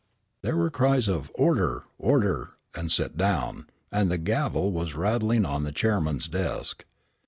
There were cries of "Order! Order!" and "Sit down!" and the gavel was rattling on the chairman's desk.